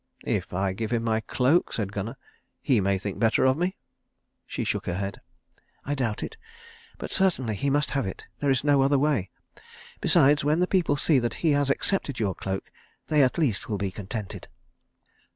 "If I give him my cloak," said Gunnar, "he may think better of me." She shook her head. "I doubt it. But certainly he must have it. There is no other way. Besides, when the people see that he has accepted your cloak they at least will be contented."